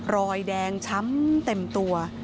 รอยแดงช้ำเต็มตัว